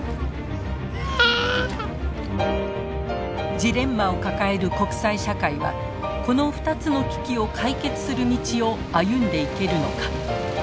ジレンマを抱える国際社会はこの２つの危機を解決する道を歩んでいけるのか。